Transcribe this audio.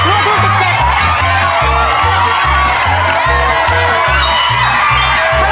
เร็วลูกอีก๑๐ลูก